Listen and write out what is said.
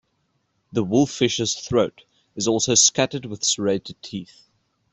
The wolffish's throat is also scattered with serrated teeth.